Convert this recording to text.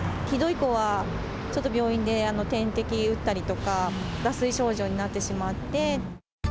ひどい子はちょっと病院で点滴打ったりとか、脱水症状になってしまって。